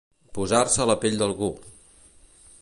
Posar-se a la pell d'algú.